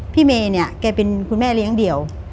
เมย์เนี่ยแกเป็นคุณแม่เลี้ยงเดี่ยว